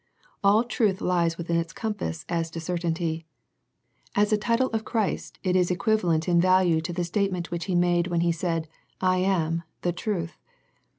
All truth lies within its compass as to certainty. As a title of Christ it is equivalent in value to the state ment which He made when he said " I am the truth."